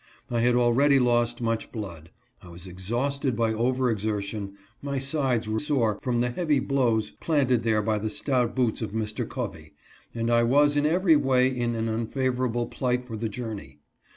I had already lost much blood, I was exhausted by over exertion, my sides were sore from the ESCAPES. 1C9 heavy blows planted there by the stout boots of Mr. Covey, and I was in every way in an unfavorable plight for the journey.